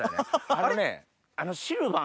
あのね。